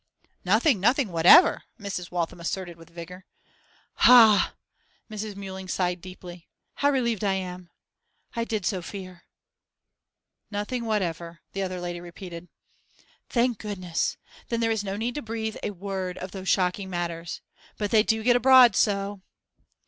'Nothing, nothing whatever!' Mrs. Waltham asserted with vigour. 'Ha!' Mrs. Mewling sighed deeply. 'How relieved I am! I did so fear!' 'Nothing whatever,' the other lady repeated. 'Thank goodness! Then there is no need to breathe a word of those shocking matters. But they do get abroad so!